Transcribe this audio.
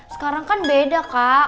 sekarang kan beda kak